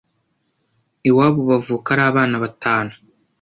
Iwabo bavuka ari abana batanu